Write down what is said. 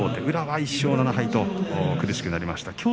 宇良は１勝７敗と苦しくなりました。